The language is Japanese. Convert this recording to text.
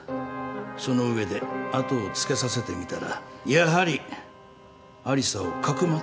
その上で後をつけさせてみたらやはり有沙をかくまっていたな。